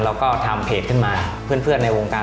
เราก็ทำเพจขึ้นมา